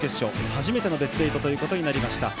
初めてのベスト８ということになりました。